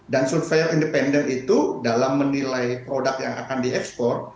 dan surveyor independen itu dalam menilai produk yang akan diekspor